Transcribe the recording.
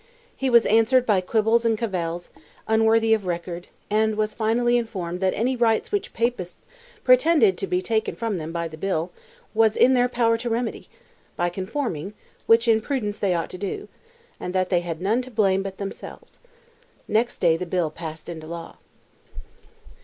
He was answered by quibbles and cavils, unworthy of record, and was finally informed that any rights which Papists "pretended to be taken from them by the Bill, was in their own power to remedy, by conforming, which in prudence they ought to do; and that they had none to blame but themselves." Next day the bill passed into law.